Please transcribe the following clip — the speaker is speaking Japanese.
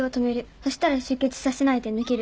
そしたら出血させないで抜ける。